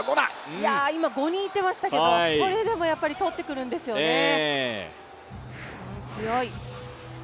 今、５人いましたけど、それでも取ってくるんですよね、強い。